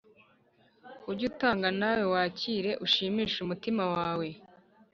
Ujye utanga nawe wakire, ushimishe umutima wawe,